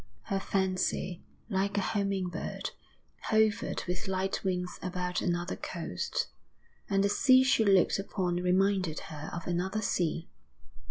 Her fancy, like a homing bird, hovered with light wings about another coast; and the sea she looked upon reminded her of another sea.